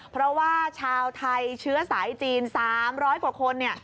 เพราะว่าชาวไทยเชื้อสายจีน๓๐๐กว่าคน